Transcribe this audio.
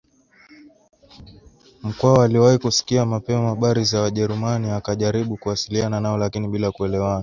Mkwawa aliwahi kusikia mapema habari za Wajerumani akajaribu kuwasiliana nao lakini bila kuelewana